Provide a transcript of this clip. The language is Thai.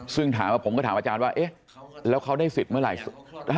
ซึ่งถามว่าผมก็ถามอาจารย์ว่าเอ๊ะแล้วเขาได้สิทธิ์เมื่อไหร่